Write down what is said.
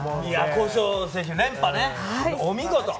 古性選手、連覇ね、お見事！